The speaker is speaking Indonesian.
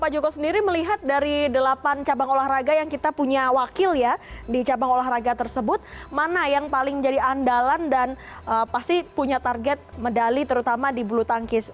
pak joko sendiri melihat dari delapan cabang olahraga yang kita punya wakil ya di cabang olahraga tersebut mana yang paling jadi andalan dan pasti punya target medali terutama di bulu tangkis